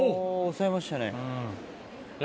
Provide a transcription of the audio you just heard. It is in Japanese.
抑えましたね。